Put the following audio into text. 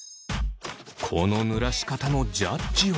このぬらし方のジャッジは。